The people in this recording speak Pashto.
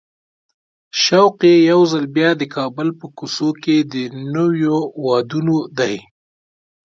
شوق یې یو ځل بیا د کابل په کوڅو کې د نویو وادونو دی.